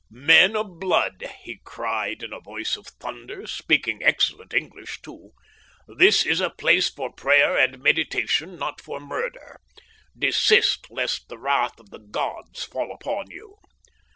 "Men of blood," he cried, in a voice of thunder, speaking excellent English, too "this is a place for prayer and meditation, not for murder. Desist, lest the wrath of the gods fall upon you."